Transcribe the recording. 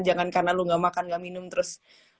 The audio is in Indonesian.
jangan karena lu gak makan gak minum terus